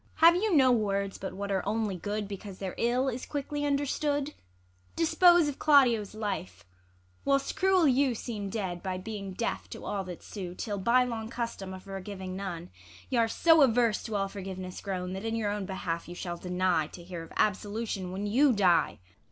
ISAB. Have you no words but what are only good, Because their ill is quickly understood 1 Dispose of Claudio's life ! Avhilst cruel you Seem dead, by being deaf to all that sue ; Till by long custom of forgiving none Y'are so averse to all forgiveness grown, That in your own behalf you shall deny, To hear of absolution when you die.